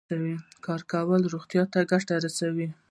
کار کول روغتیا ته ګټه رسوي.